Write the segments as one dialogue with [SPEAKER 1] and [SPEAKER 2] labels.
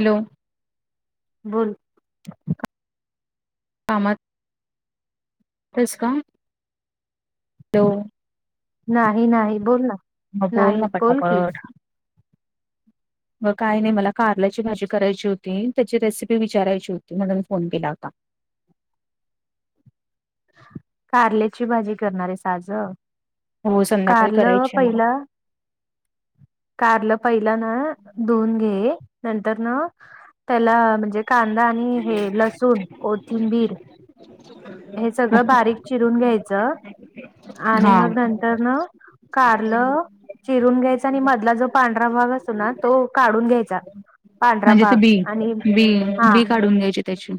[SPEAKER 1] Hello.
[SPEAKER 2] बोल.
[SPEAKER 1] तस का हॅलो.
[SPEAKER 2] नाही नाही बोलना
[SPEAKER 1] मग
[SPEAKER 2] नाही
[SPEAKER 1] ना
[SPEAKER 2] बोल की
[SPEAKER 1] पटापट. मग काय नाही मला कारल्याची भाजी करायची होती त्याची रेसिपी विचारायची होती म्हणून मी फोन केला होता.
[SPEAKER 2] कारल्याची भाजी करणार हाईस आज
[SPEAKER 1] हो संध्याकाळी
[SPEAKER 2] कारलं
[SPEAKER 1] करायची आहे मला.
[SPEAKER 2] पहिलं कारलं पहिलं ना धुऊन घे नंतर ना त्याला म्हणजे कांदा आणि हे लसूण कोथिंबीर हे सगळं बारीक चिरून घ्यायचं आणि
[SPEAKER 1] हा
[SPEAKER 2] मग नंतर न कारलं चिरून घ्यायचं आणि मधला जो पांढरा भाग असतो ना तो काढून घ्यायचा. पांढरा
[SPEAKER 1] म्हणजे ते
[SPEAKER 2] भाग
[SPEAKER 1] बी
[SPEAKER 2] आणि
[SPEAKER 1] बी
[SPEAKER 2] हा
[SPEAKER 1] बी काढून घ्यायची त्याची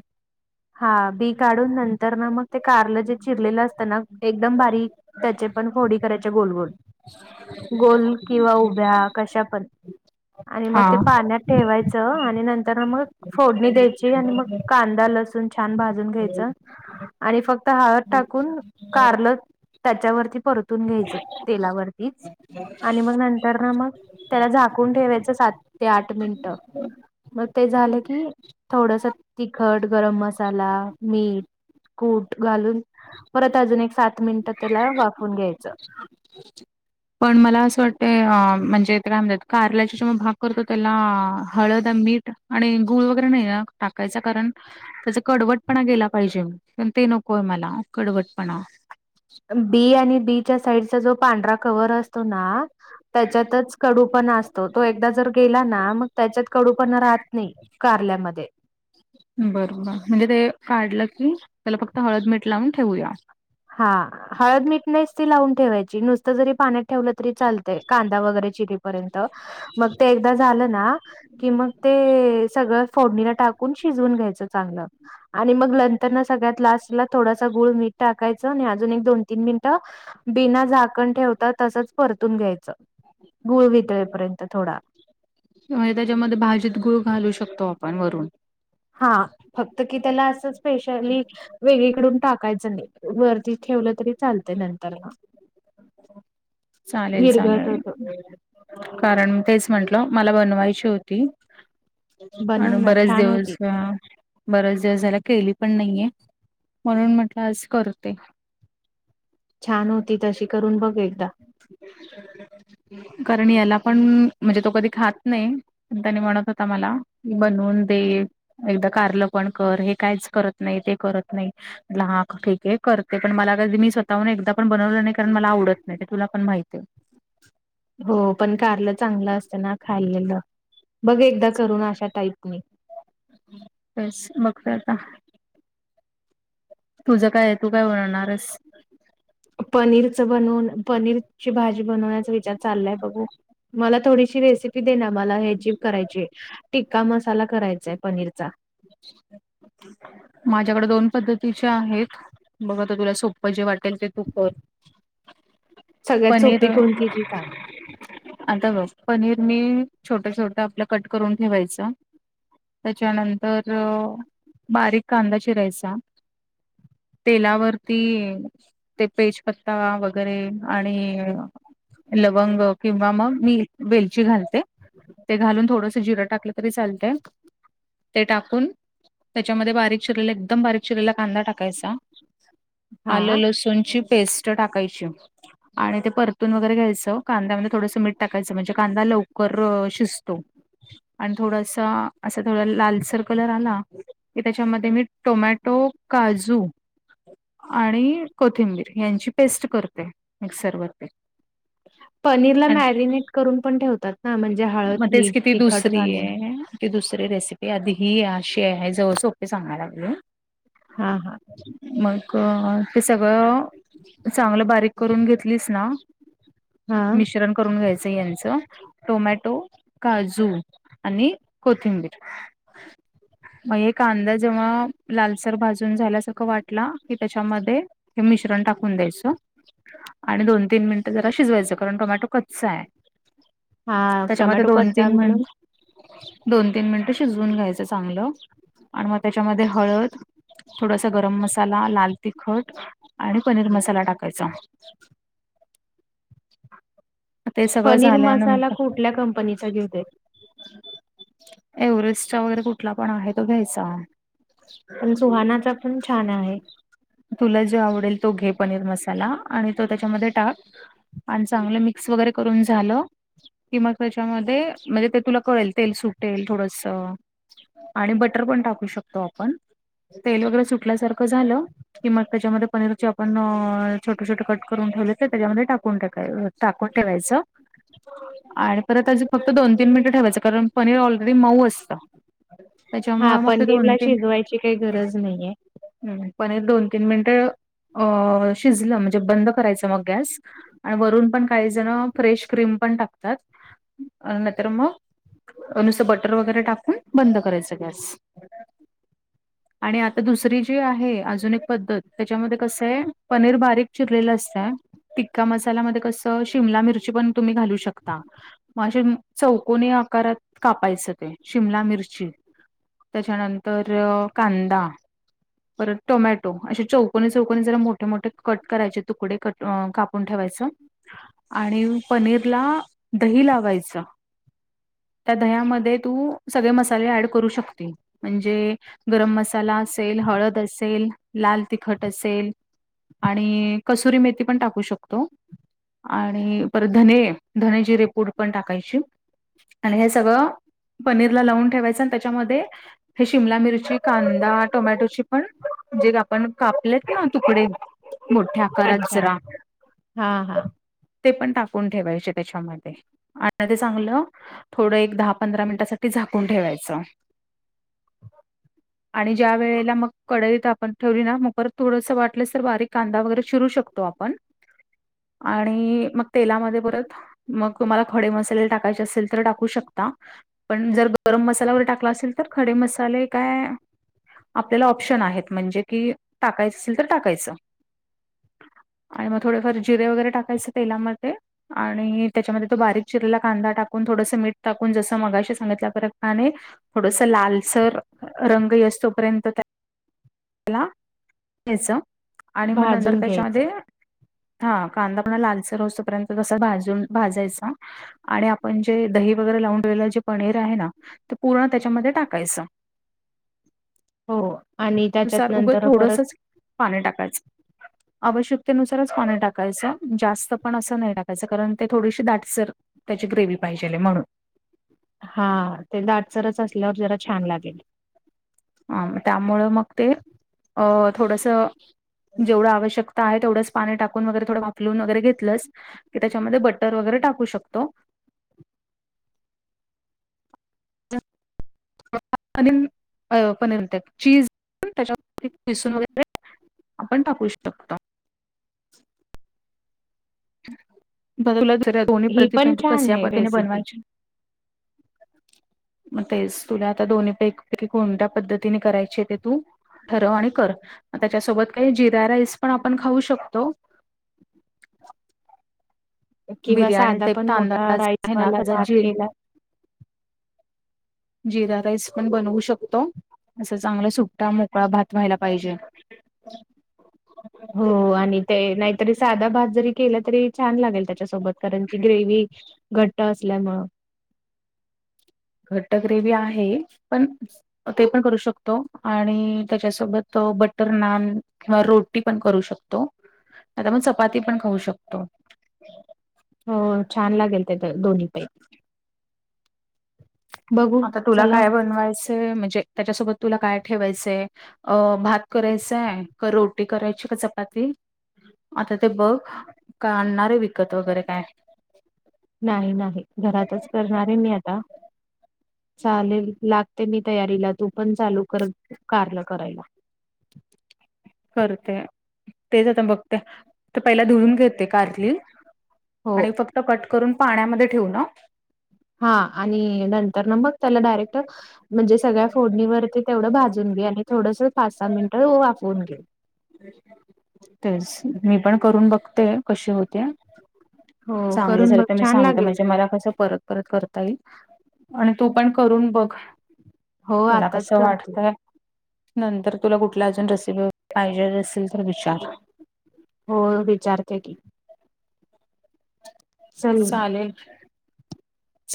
[SPEAKER 2] हा बी काढून नंतर ना मग ते कारलं जे चिरलेलं असतं ना एकदम बारीक त्याचे पण फोडी करायच्या गोल गोल गोल किंवा उभ्या कशा पण आणि मग
[SPEAKER 1] हा.
[SPEAKER 2] ते पाण्यात ठेवायचं आणि नंतर मग फोडणी द्यायची आणि मग कांदा लसू तून छान भाजून घ्यायचं आणि फक्त हळद टाकून कारलं त्याच्यावरती परतून घ्यायचं तेलावरतीच आणि मग नंतर ना मग त्याला झाकून ठेवायचं सात ते आठ मिनटं मग ते झालं की थोडस तिखट, गरम मसाला चांगला मीठ, कुट घालून परत अजुन एक चा मिनिटं त्याला वाफवून घ्यायचं.
[SPEAKER 1] [inaudible] पण मला असं वाटतं अ म्हणजे [unintelligible] कारल्याचा जेव्हा भाग करतो त्याला अ हळद मीठ आणि गुळ वगैरे नाही ना टाकायच कारण त्याचा कडवटपणा गेला पाहिजे पण ते नकोय मला कडवटपणा.
[SPEAKER 2] बी आणि बी च्या साईडचा जो पांढरा कवर असतो ना त्याच्यातच कडूपणा असतो तो एकदा जर गेला ना मग त्याच्यात कडूपणा राहत नाही. कारल्यामध्ये
[SPEAKER 1] बर बर म्हणजे ते काढलं की त्याला फक्त हळद मीठ लावून ठेवूया.
[SPEAKER 2] हा. हळद, मीठ नेसती लावून ठेवायची नुसतं जरी पाण्यात ठेवलं तरी चालतय कांदा वगैरे चिरी पर्यंत. मग ते एकदा झालं ना की मग ते सगळं फोडणीला टाकून शिजून घ्यायचं चांगलं आणि मग नंतरन सगळ्यात लास्ट ला थोडासा गुळ मीठ टाक टकायच आणि अजून एक दोन तीन मिनिटं बिना झाकण ठेवतात तसच परतून घ्यायचं. गुळ वितळेपर्यंत थोडा.
[SPEAKER 1] [unintelligible] त्याच्यामध्ये भाजीत गूळ घालू शकतो आपण वरून.
[SPEAKER 2] हा फक्त की त्याला असं स्पेशली वेगळीकडून टाकायचं नाही वरती ठेवलं तरी चालत नंतर न
[SPEAKER 1] चालेल
[SPEAKER 2] विरघळत
[SPEAKER 1] चाललं
[SPEAKER 2] होत
[SPEAKER 1] कारण तेच म्हंटलं मला बनवायची होती.
[SPEAKER 2] बनव
[SPEAKER 1] आणि
[SPEAKER 2] ना
[SPEAKER 1] बरेच
[SPEAKER 2] छान होत
[SPEAKER 1] दिवस अ बरेच दिवस झाले केली पण नाहीये म्हणून म्हटलं आज करते.
[SPEAKER 2] छान होती तशी करून बघ एकदा.
[SPEAKER 1] कारण याला पण म्हणजे तो कधी खात नाही. त्यांनी म्हणत होता मला की बनवून दे. एकदा कारल पण कर हे काहीच करत नाही ते करत नाही. म्हणलं हा ठीक आहे करते पण मला मी स्वतःहून एकदा पण बनवलं नाही कारण मला आवडत नाही ते तुला पण माहितीय.
[SPEAKER 2] हो पण कारलं चांगलं असतं ना खाल्लेलं बघ एकदा करून अशा टाईपनी.
[SPEAKER 1] तेच बघ आता. तुझं काय तू काय बनवणारेस?
[SPEAKER 2] पनीरच बनवून पनीरची भाजी बनवण्याचा विचार चाललाय बघू. मला थोडीशी रेसिपी देणार मला ह्याची करायची टिक्का मसाला करायचाय पनीरचा. [inaudible]
[SPEAKER 1] माझ्याकडे दोन पद्धतीचे आहेत बघ आता तुला सोप्प जे वाटेल ते तु कर.
[SPEAKER 2] सगळ्यात
[SPEAKER 1] पनीर
[SPEAKER 2] सोपी कोणती ती सांग
[SPEAKER 1] आता बग पनीर मी छोटं छोटं आपलं कट करून ठेवायचं. त्याच्यानंतर बारीक कांदा चिरायचा. तेलावरती ते पेजपत्ता वगैरे आणि लवंग किंवा मग मी वेलची घालते. ते घालून थोडंस जिरं टाकलं तरी चालतय. ते टाकून त्याच्यामध्ये बारीक चिरलेले एकदम बारीक चिरलेला कांदा टाकायचा. आलं
[SPEAKER 2] हा
[SPEAKER 1] लसूणची पेस्ट टाकायची. आणि ते परतून वगैरे घ्यायचं कांद्यामध्ये थोडंसं मीठ टाकायचं म्हणजे कांदा लवकर शिजतो. आणि थोडासा असा थोडा लालसर कलर आला की त्याच्यामध्ये मी टोमॅटो, काजू आणि कोथिंबीर यांची पेस्ट करते मिक्सरवरती
[SPEAKER 2] पनीरला मॅरिनेट करून पण ठेवतात ना म्हण
[SPEAKER 1] म तेच की ती दुसरी ये. की दुसरी रेसिपी ये आधी ही अशी ये हाय जवळ सोपी सांगांय लागले
[SPEAKER 2] हां हां
[SPEAKER 1] मग ते सगळं चांगलं बारीक करून घेतलीस ना
[SPEAKER 2] हा
[SPEAKER 1] मिश्रण करून घ्यायचं यांचं टोमॅट टो, काजू आणि कोथिंबीर
[SPEAKER 2] [inaudible]
[SPEAKER 1] म ये कांदा जेव्हा लालसर भाजून झाल्यासारखं वाटला की त्याच्यामध्ये हे मिश्रण टाकून द्यायचं, आणि दोन तीन मिनिटं जरा शिजवायचं कारण टोमॅटो कच्चा आय.
[SPEAKER 2] हा
[SPEAKER 1] त्याच्यामध्ये
[SPEAKER 2] टमॅटो
[SPEAKER 1] दोन
[SPEAKER 2] कच्चा
[SPEAKER 1] तीन मि
[SPEAKER 2] म्हणून
[SPEAKER 1] दोन तीन मिनटं शिजवून घ्यायचं चांगलं आणि म त्याच्यामध्ये हळद थोडासा गरम मसाला, लाल तिखट आणि पनीर मसाला टाकाचा
[SPEAKER 2] [inaudible]
[SPEAKER 1] ते सगळं
[SPEAKER 2] पनीर मसाला
[SPEAKER 1] झाल्यानंतर
[SPEAKER 2] कुठल्या कंपनीचा घेवूता
[SPEAKER 1] एव्हरेस्टचा वगैरे कुठला पण आहे तो घ्यायचा.
[SPEAKER 2] पण सुहानाचा पण छान आहे.
[SPEAKER 1] तुला जो आवडेल तो घे पनीर मसाला आणि तो त्याच्यामध्ये टाक आणि चांगलं मिक्स वगैरे करून झालं की मग त्याच्यामध्ये म्हणजे ते तुला कळेल तेल सुटेल थोडस आणि बटर पण टाकू शकतो. आपण तेल वगैरे सुटल्यासारखं झालं की मग त्याच्यामध्ये पनीरचे आपण अ छोटे छोटे कट करून ठेवले ते त्याच्यामध्ये टाकून टाकाय अ टाकून ठेवायचं
[SPEAKER 2] [inaudible]
[SPEAKER 1] आणि परत अजुन फक्त दोन तीन मिनिटं ठेवायचं कारण पनीर ऑलरेडी मऊ असतं.
[SPEAKER 2] हा
[SPEAKER 1] त्याच्यामुळे मग ते
[SPEAKER 2] पनीरला शिजवायची काय गरज नाहीये.
[SPEAKER 1] हूं पनीर दोन तीन मिनिटं अ शिजलं म्हणजे बंद करायचं मग गॅस आणि वरून पण काही जण फ्रेश क्रीम पण टाकतात नायतर मग नुसत बटर वगैरे टाकून बंद करायचं गॅस. आणि आता दुसरी जी आहे अजून एक पद्धत त्याच्यामध्ये कसय पनीर बारीक चिरलेलं असतंय टीक्का मसाल्यामध्ये कसं शिमला मिरची पण तुम्ही घालू शकता. म असे ते चौकोनी आकारात कापायचं ते शिमला मिरची त्याच्यानंतर कांदा परत टोमॅ टो असे चौकनी चौकनी जरा मोठे मोठे कट करायचे तुकडे कट कापून ठेवायच आणि पनीरला दही लावायचं त्या दह्यामध्ये तू सगळे मसाले ऍड करू शकते. म्हणजे गरम मसाला असेल हळद असेल लाल तिखट असेल, आणि कसुरी मेथी पण टाकू शकतो. आणि परत धने धने जिरे पूड पण टाकायची. आणि हे सगळं पनीरला लावून ठेवायचं आणि त्याच्यामध्ये हे शिमला मिरची कांदा टोमॅटोची पण जे का आपण कापलेत ना तुकडे मोठ्या आकारात
[SPEAKER 2] अच्छा.
[SPEAKER 1] जरा
[SPEAKER 2] हां, हां.
[SPEAKER 1] ते पण टाकून ठेवायचे त्याच्यामध्ये, आता ते चांगलं थोडं एक दहा पंधरा मिनिटासाठी झाकून ठेवायचं.
[SPEAKER 2] [inaudible]
[SPEAKER 1] आणि ज्या वेळेला मग कडई तप पण ठेवली ना, मग थोडसं वाटलंस तर बारीकांदा वगैर शिरू शकतो आपण. आणि मग तेलामध्ये परत मग तुम्हाला खडे मसाले टाकायचे असेल, तर टाकू शकता. पण जर गरम मसाला वगैरे टाकला असेल तर, खडे मसाले काय आपल्याला ऑप्शन आहेत, म्हणजे की टाकायच असेल तर टाकायचं. आणि मग थोडेफार जिरे वगैरे टाकायचं तेलामध्ये. आणि त्याच्यामध्ये तो बारीक चिरलेला कांदा टाकून, थोडसं मीठ टाकून, जसं मगाशी सांगितल्या प्रमाणे थोडस लालसर रंग येऊसपर्यंत त्याला घ्यायच, आणि मग नंतर
[SPEAKER 2] भाजून घ्यायचं.
[SPEAKER 1] त्याच्यामध्ये हा, कांदा पण लालसर होऊसपर्यंत जसा भाजून भाजायचा. आणि आपण जे दही वगैरे लावून ठेलेलं जे पनीर आहे ना, ते पूर्ण त्याच्यामध्ये टाकायचं.
[SPEAKER 2] हो, आणि त्याच्यात
[SPEAKER 1] नुसार उगं
[SPEAKER 2] नंतर परत
[SPEAKER 1] थोडसच पाणी टाकायचं. आवश्यकतेनुसारच पाणी टाकायचं, जास्त पण असं नाही टाकायचं, कारण ते थोडीशी दाटसर त्याची गग्रेव्ही पाहिजे म्हणून
[SPEAKER 2] हा, ते दाटसरच असल्यावर जरा छान लागेल.
[SPEAKER 1] हा, त्यामुळं मग ते अ थोडस जेवढं आवश्यक आहे, तेवढच पाणी टाकून वगैरे, थोड वाफलून वगैरे घेतलंस की, त्याच्यामध्ये बटर वगैरे टाकू शकतो. [unintelligible] पनीर त्या, चीज त्याच्या. वरती पिसून वगैरे आपण टाकू शकतो.
[SPEAKER 2] [inaudible]
[SPEAKER 1] [unintelligible] दोन्ही
[SPEAKER 2] ही
[SPEAKER 1] प्रति
[SPEAKER 2] पण
[SPEAKER 1] [unintelligible]
[SPEAKER 2] छान
[SPEAKER 1] कश्या
[SPEAKER 2] आहे
[SPEAKER 1] पद्धतीने
[SPEAKER 2] रेसिपी
[SPEAKER 1] बनवायच्या
[SPEAKER 2] [inaudible]
[SPEAKER 1] मग तेच, तुला आता दोन्हीपैकी कोणत्या पद्धतीने करायची ते तू ठरव आणि कर, मग त्याच्यासोबत जिरा राईस पण आपण खाऊ शकतो.
[SPEAKER 2] किंवा
[SPEAKER 1] बिर्याणी
[SPEAKER 2] साधा
[SPEAKER 1] टाईप
[SPEAKER 2] पण मोठा
[SPEAKER 1] तांदळाचा
[SPEAKER 2] रायस
[SPEAKER 1] आहे ना
[SPEAKER 2] वाला
[SPEAKER 1] त्याचा
[SPEAKER 2] भात
[SPEAKER 1] जी
[SPEAKER 2] केला
[SPEAKER 1] जिरा राईस पण बनवू शकतो. असं चांगलं सुटटा, मोकळा, भात व्हायला पाहिजे.
[SPEAKER 2] [inaudible] हो, आणि ते नाहीतरी साधा भात जरी केला तरी, छान लागेल त्याच्यासोबत. कारण ती ग्रेवी घट्ट असल्यामुळे
[SPEAKER 1] घट्ट ग्रेवी आहेच पण ते पण करू शकतो, आणि त्याच्यासोबत बटर नान किंवा रोटी पण करू शकतो, किंवा आपण चपाती पण खाऊ शकतो.
[SPEAKER 2] हो, छान लागेल ते दोन्हीपैकी बघू
[SPEAKER 1] आता तुला
[SPEAKER 2] चला
[SPEAKER 1] काय बनवायचं म्हणजे, त्याच्यासोबत तुला काय ठेवायचय? अ भात करायचंय, का रोटी करायची, का चपाती? आता ते बघ, का आणणारे विकत वगैरे काय?
[SPEAKER 2] नाही नाही. घरातच करणारए मी आता. चालेल लागते मी तयारीला, तू पण चालू कर कारल करायला.
[SPEAKER 1] करते. तेच आता बघते, तर पहिला धुवून घेते कारली.
[SPEAKER 2] हो
[SPEAKER 1] आणि फक्त कट करून पाण्यामध्ये ठेवू ना?
[SPEAKER 2] हा आणि नंतर ना मग त्याला डायरेक्ट म्हणजे सगळ्या फोडणीवरती. तेवढं भाजून घे आणि थोडसं पाच सहा मिनिंट वाफवून घे.
[SPEAKER 1] तेच, मी पण करून बघते कशी होतीया?
[SPEAKER 2] हो
[SPEAKER 1] चांगले
[SPEAKER 2] करून
[SPEAKER 1] झालं
[SPEAKER 2] बघ
[SPEAKER 1] तर मी
[SPEAKER 2] छान
[SPEAKER 1] सांगते
[SPEAKER 2] लागेल.
[SPEAKER 1] म्हणजे मला कसं परत. परत करता येईल आणि तू पण करून बघ
[SPEAKER 2] हो
[SPEAKER 1] तुला कस
[SPEAKER 2] आताच करते
[SPEAKER 1] वाटत? नंतर तुला कुठल्या अजून रेसिपी पाहिजे असेल, तर विचार?
[SPEAKER 2] होय विचारते की? चल
[SPEAKER 1] चालेल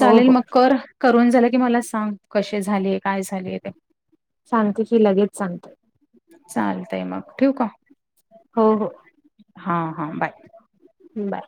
[SPEAKER 2] हो हो
[SPEAKER 1] मग कर. करून झालं की मला सांग कसे झाले? काय झाले ते?
[SPEAKER 2] सांगते की, लगेच सांगते
[SPEAKER 1] चालतय मग ठेवू का?
[SPEAKER 2] हो हो.
[SPEAKER 1] हा हा. बाय.
[SPEAKER 2] बाय.